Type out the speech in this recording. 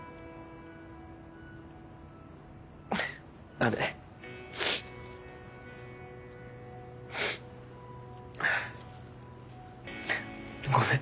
あれ？ごめん。